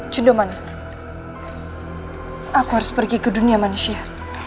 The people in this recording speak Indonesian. jundoman aku harus pergi ke dunia manusia